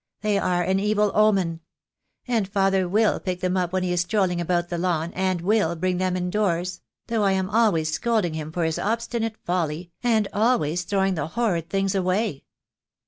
They are an evil omen. And father will pick them up when he is strolling about the lawn, and will bring them indoors; though I am always scolding him for his obstinate folly, and always throwing the horrid things away."